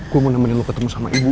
aku mau nemenin lo ketemu sama ibu